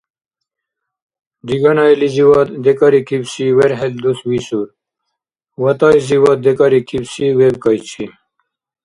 Риганайлизивад декӀарикибси верхӀел дус висур, ВатӀайзивад декӀарикибси — вебкӀайчи.